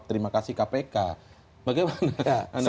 terima kasih kpk bagaimana